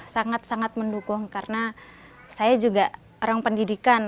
sangat sangat mendukung karena saya juga orang pendidikan